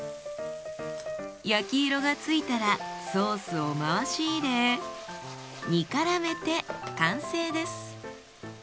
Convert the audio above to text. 焼き色が付いたらソースを回し入れ煮からめて完成です。